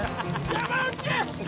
山内！